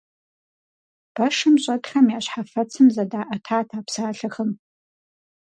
Пэшым щӀэтхэм я щхьэфэцым зыдаӀэтат а псалъэхэм.